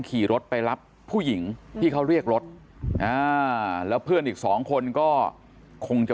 ขี่รถไปรับผู้หญิงที่เขาเรียกรถแล้วเพื่อนอีกสองคนก็คงจะ